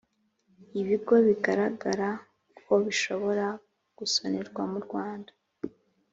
Ibigo bigaragara ko bishobora gusonerwa mu Rwanda